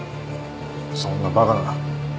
そんなバカな。